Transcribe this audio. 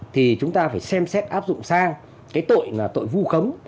thì chúng ta phải xem xét áp dụng sang cái tội là tội vu khống